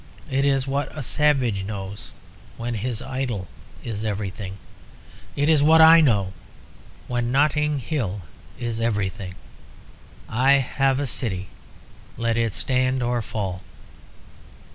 It is what a savage knows when his idol is everything. It is what I know when Notting Hill is everything. I have a city. Let it stand or fall."